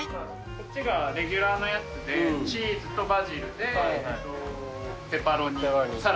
こっちがレギュラーのやつでチーズとバジルでペパロニサラミ。